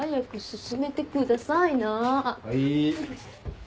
はい。